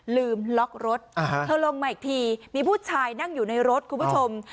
ลืมล็อกรถเธอลงมาอีกทีมีผู้ชายนั่งอยู่ในรถคุณผู้ชม